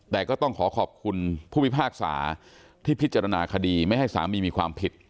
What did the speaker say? แต่ก็ต้องขอขอบคุณผู้พิพากษาที่พิจารณาคดีไม่ให้สามีมีความผิด